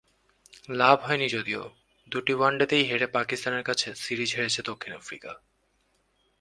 লাভ হয়নি যদিও, দুটি ওয়ানডেতেই হেরে পাকিস্তানের কাছে সিরিজ হেরেছে দক্ষিণ আফ্রিকা।